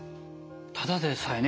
ただでさえね